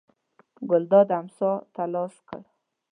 ګلداد امسا ته لاس کړ.